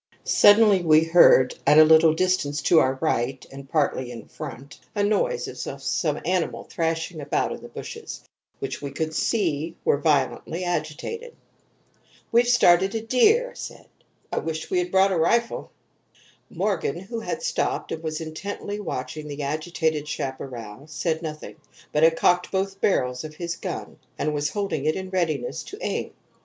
Suddenly, we heard, at a little distance to our right, and partly in front, a noise as of some animal thrashing about in the bushes, which we could see were violently agitated. "'We've started a deer,' said. 'I wish we had brought a rifle.' "Morgan, who had stopped and was intently watching the agitated chaparral, said nothing, but had cocked both barrels of his gun, and was holding it in readiness to aim.